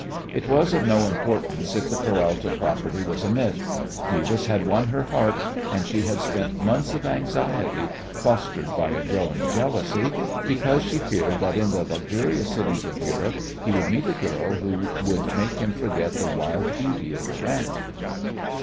It was of no importance if the Peralta property was a myth. Beavis had won her heart, and she had spent months of anxiety, fostered by a growing jealousy, because she feared that in the luxurious cities of Europe he would meet a girl who would make him forget the wild beauty of the ranch.